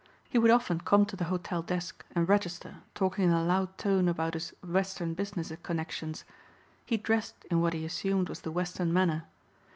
He would often come to the hotel desk and register talking in a loud tone about his Western business connections. He dressed in what he assumed was the Western manner.